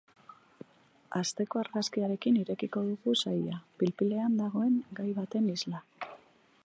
Asteko argazkiarekin irekiko dugu saila, pil-pilean dagoen gai baten isla.